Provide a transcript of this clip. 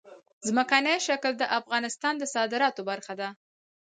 ځمکنی شکل د افغانستان د صادراتو برخه ده.